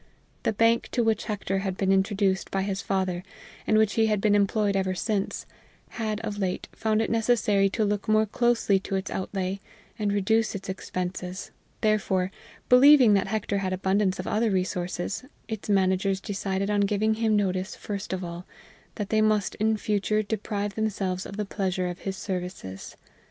The bank to which Hector had been introduced by his father, and in which he had been employed ever since, had of late found it necessary to look more closely to its outlay and reduce its expenses; therefore, believing that Hector had abundance of other resources, its managers decided on giving him notice first of all that they must in future deprive themselves of the pleasure of his services.